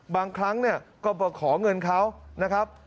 บางครั้งเนี่ยก็มาขอเงินเขานะครับ